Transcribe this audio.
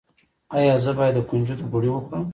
ایا زه باید د کنجد غوړي وخورم؟